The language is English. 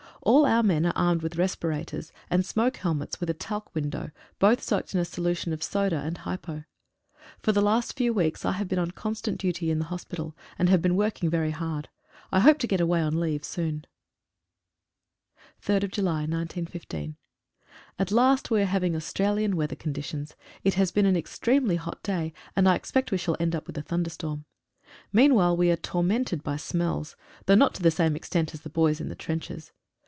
All our men are armed with respirators, and smoke helmets with a talc window, both soaked in a solution of soda and hypo. For the last few weeks I have been on constant duty in the hospital, and have been working very hard. I hope to get away on leave soon. AT last we are having Australian weather condi tions. It has been an extremely hot day, and I expect we shall end up with a thunderstorm. Meanwhile, we are tormented by smells — though not to. the same extent as the boys in the trenches.